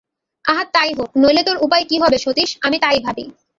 আহা তাই হোক, নইলে তোর উপায় কী হবে সতীশ, আমি তাই ভাবি।